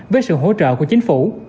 với sự hỗ trợ của chính phủ